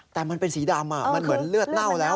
แต่มันเป็นสีดำมันเหมือนเลือดเน่าแล้ว